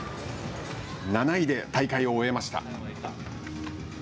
７位で大会を終えました。